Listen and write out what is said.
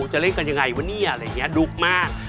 จะเล่นกันยังไงวะเนี่ยอะไรอย่างนี้ดุมาก